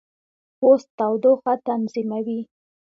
پوست تودوخه تنظیموي.